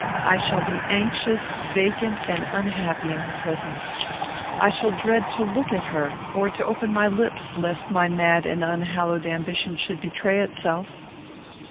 I shall be anxious, vacant, and unhappy in her presence. I shall dread to look at her, or to open my lips, lest my mad and unhallowed ambition should betray itself."